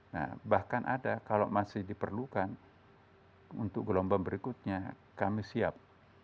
nah bahkan ada kalau masih diperlukan untuk gelombang berikutnya kami siap